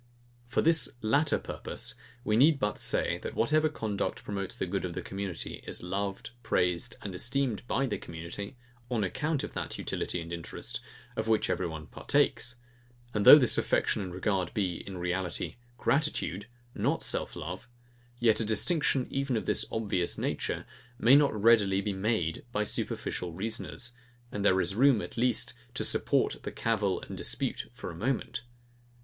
For this latter purpose, we need but say, that whatever conduct promotes the good of the community is loved, praised, and esteemed by the community, on account of that utility and interest, of which every one partakes; and though this affection and regard be, in reality, gratitude, not self love, yet a distinction, even of this obvious nature, may not readily be made by superficial reasoners; and there is room, at least, to support the cavil and dispute for a moment.